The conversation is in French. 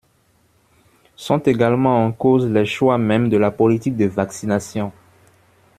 Sont également en cause les choix mêmes de la politique de vaccination.